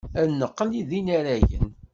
Ad neqqel d inaragen.